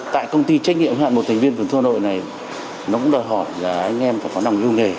tại công ty trách nhiệm hạng một thành viên vườn thua nội này nó cũng đòi hỏi là anh em phải có nồng yêu nghề